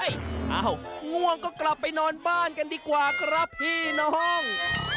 เอ้าง่วงก็กลับไปนอนบ้านกันดีกว่าครับพี่น้อง